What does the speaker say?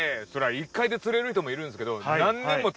１回で釣れる人もいるんですけど。